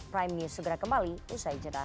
prime news segera kembali usai jeda